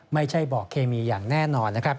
ไม่ใช่บ่อเคมีอย่างแน่นอน